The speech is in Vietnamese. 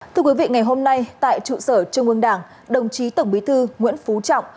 thưa quý vị ngày hôm nay tại trụ sở trung ương đảng đồng chí tổng bí thư nguyễn phú trọng